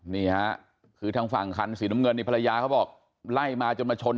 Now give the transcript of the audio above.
นี่ฮะคือทางฝั่งคันสีน้ำเงินนี่ภรรยาเขาบอกไล่มาจนมาชน